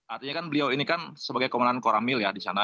artinya kan beliau ini kan sebagai komandan koramil ya di sana